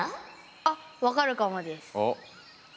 あ分かるかもです。